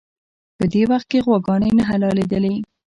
په دې وخت کې غواګانې نه حلالېدلې.